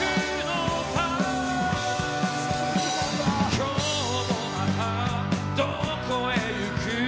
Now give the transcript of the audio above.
「今日もまたどこへ行く」